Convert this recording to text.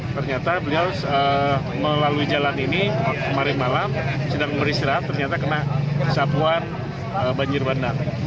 ternyata beliau melalui jalan ini kemarin malam sedang beristirahat ternyata kena sapuan banjir bandang